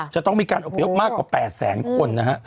จะต้องมีการอบพยพมากกว่า๘แสนคนนะฮะ